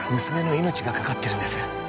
娘の命がかかってるんです